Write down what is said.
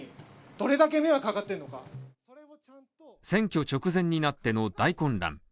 選挙直前になっての大混乱。